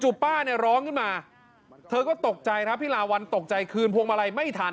ป้าเนี่ยร้องขึ้นมาเธอก็ตกใจครับพี่ลาวัลตกใจคืนพวงมาลัยไม่ทัน